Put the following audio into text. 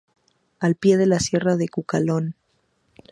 Al pie de la Sierra de Cucalón.